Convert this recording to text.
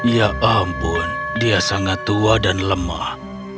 ya ampun dia sangat tua dan lemah